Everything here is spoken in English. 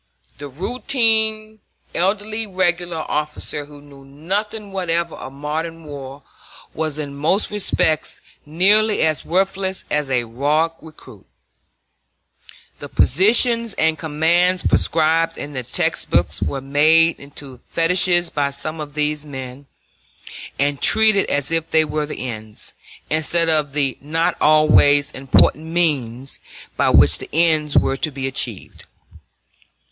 The routine elderly regular officer who knew nothing whatever of modern war was in most respects nearly as worthless as a raw recruit. The positions and commands prescribed in the text books were made into fetishes by some of these men, and treated as if they were the ends, instead of the not always important means by which the ends were to be achieved.